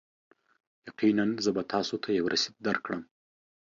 یقینا، زه به تاسو ته یو رسید درکړم.